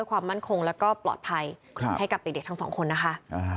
ขอบคุณคุณไทยทั่วประเทศค่ะ